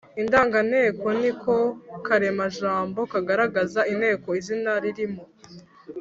indanganteko ni ko karemajambo kagaragaza inteko izina ririmo.